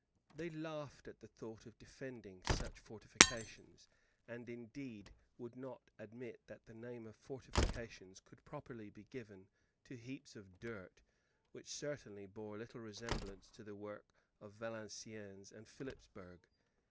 They laughed at the thought of defending such fortifications, and indeed would not admit that the name of fortifications could properly be given to heaps of dirt, which certainly bore little resemblance to the works of Valenciennes and Philipsburg.